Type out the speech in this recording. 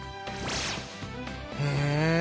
へえ。